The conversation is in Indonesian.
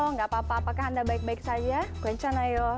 enggak apa apa apakah anda baik baik saja quenchanayo